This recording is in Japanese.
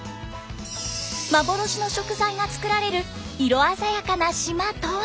幻の食材がつくられる色鮮やかな島とは？